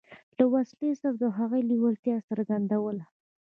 له وسلې سره د هغوی لېوالتیا څرګندوله.